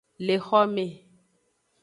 Le xome.